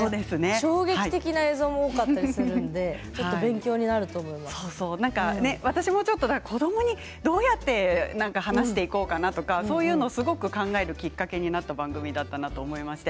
衝撃的な映像も多かったりするので私も子どもにどうやって話していこうかなとかそういうのをすごく考えるきっかけになった番組だったなと思いました。